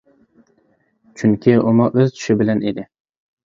چۈنكى ئۇمۇ ئۆز چۈشى بىلەن ئىدى.